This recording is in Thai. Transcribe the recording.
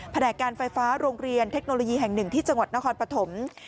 แหนกการไฟฟ้าโรงเรียนเทคโนโลยีแห่งหนึ่งที่จังหวัดนครปฐม